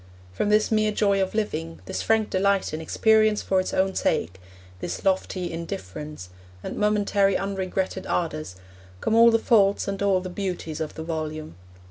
From this mere joy of living, this frank delight in experience for its own sake, this lofty indifference, and momentary unregretted ardours, come all the faults and all the beauties of the volume.